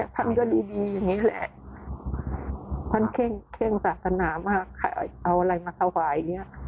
ท่านก็ดีอย่างเงี้ยแหละท่านเคร่งสาธารณามากเอาอะไรมาขวายอย่างเงี้ย